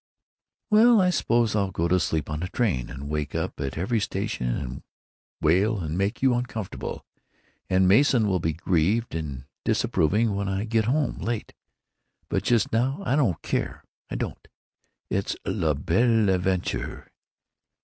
"Well, I suppose I'll go to sleep on the train, and wake up at every station and wail and make you uncomfortable, and Mason will be grieved and disapproving when I get home late, but just now I don't care. I don't! It's la belle aventure!